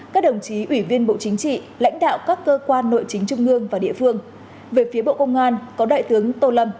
các đồng chí ủy viên bộ chính trị lãnh đạo các cơ quan nội chính trung ương và địa phương về phía bộ công an có đại tướng tô lâm